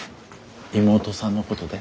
妹さんのことで？